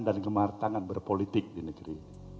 dan kematangan berpolitik di negeri